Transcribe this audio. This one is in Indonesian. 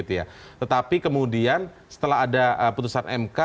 tetapi kemudian setelah ada putusan mk